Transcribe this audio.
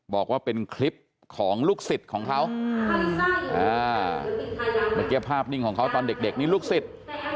บอกว่าเป็นคลิปของลูกศิษย์ของเขาเมื่อกี้ภาพนิ่งของเขาตอนเด็กนี่ลูกศิษย์